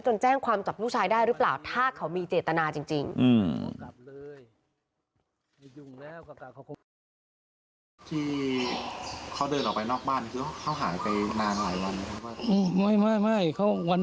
แจ้งความจับลูกชายได้หรือเปล่าถ้าเขามีเจตนาจริง